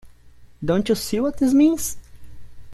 Don't you see what this means?